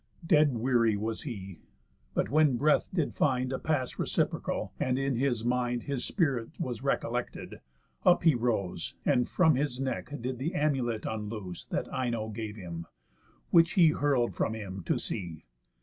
Dead weary was he. But when breath did find A pass reciprocal, and in his mind His spirit was recollected, up he rose, And from his neck did th' amulet unloose, That Ino gave him; which he hurl'd from him To sea.